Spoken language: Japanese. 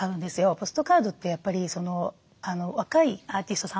ポストカードってやっぱり若いアーティストさん